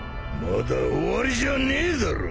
まだ終わりじゃねえだろ？